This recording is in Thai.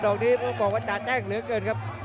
อกนี้ต้องบอกว่าจาแจ้งเหลือเกินครับ